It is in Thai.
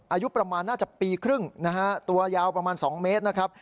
อายุประมาณน่าจะปีครึ่งนะฮะตัวยาวประมาณ๒เมตรนะครับ